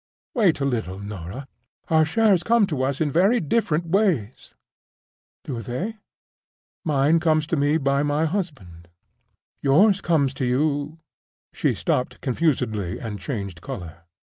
"Wait a little, Norah. Our shares come to us in very different ways." "Do they? Mine comes to me by my husband. Yours comes to you—" She stopped confusedly, and changed color.